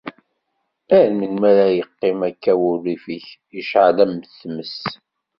Ar melmi ara yeqqim akka wurrif-ik icɛel am tmes?